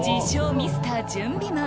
「ミスター準備マン」